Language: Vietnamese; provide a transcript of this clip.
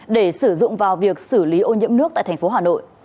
để sử dụng vào việc xử lý ô nhiễm nước tại tp hà nội